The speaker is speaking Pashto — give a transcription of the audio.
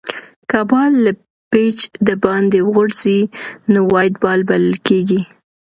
که بال له پيچ دباندي وغورځي؛ نو وایډ بال بلل کیږي.